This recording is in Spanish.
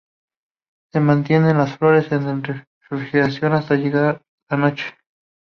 Se mantiene las flores en refrigeración hasta llegada la noche.